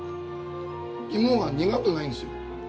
肝が苦くないんですよ。